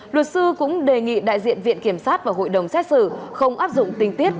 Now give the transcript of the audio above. luật sư cũng đề nghị đại diện viện kiểm sát và hội đồng xét xử không áp dụng tình tiết